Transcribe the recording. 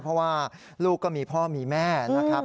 เพราะว่าลูกก็มีพ่อมีแม่นะครับ